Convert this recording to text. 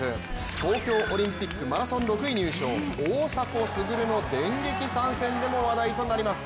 東京オリンピックマラソン６位入賞、大迫傑の電撃参戦でも話題となります。